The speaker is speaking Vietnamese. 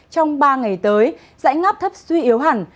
trong ba ngày tới dãy ngáp thấp suy yếu hẳn